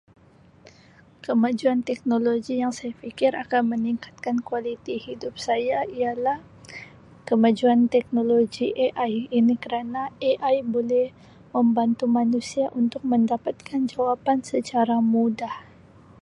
Kemajuan teknologi yang saya fikir meningkatkan kualiti hidup saya ialah kemajuan teknologi AI ini kerana AI boleh membantu manusia untuk mendapatkan jawapan secara mudah.